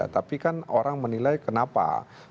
tapi kan orang menilai kenapa